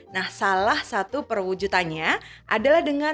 nah salah satu perwujudannya adalah dengan